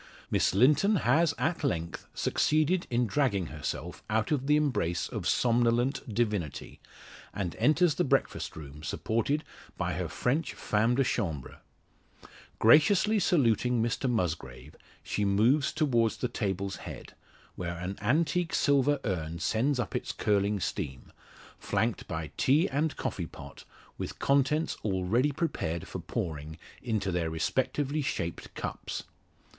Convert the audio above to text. Miss Linton has at length succeeded in dragging herself out of the embrace of the somnolent divinity, and enters the breakfast room, supported by her French femme de chambre. Graciously saluting Mr Musgrave, she moves towards the table's head, where an antique silver urn sends up its curling steam flanked by tea and coffee pot, with contents already prepared for pouring into their respectively shaped cups.